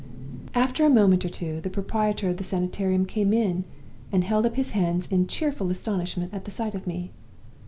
"After a moment or two, the proprietor of the Sanitarium came in, and held up his hands in cheerful astonishment at the sight of me.